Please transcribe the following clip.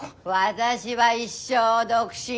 私は一生独身。